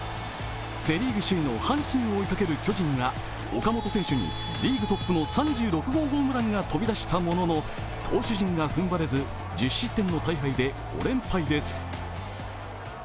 セ・リーグ首位の阪神を追いかける巨人は、岡本選手にリーグトップの３６号ホームランが飛び出したものの投手陣が踏ん張れず１０失点の大敗で５連敗です。